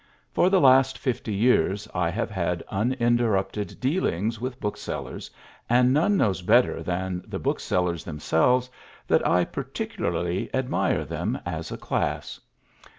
For the last fifty years I have had uninterrupted dealings with booksellers, and none knows better than the booksellers themselves that I particularly admire them as a class.